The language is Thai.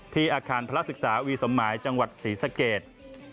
ที่อาคารพระราชศึกษาวีสมมายจังหวัดศรีสะเกียจ